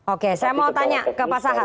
oke saya mau tanya ke pak sahar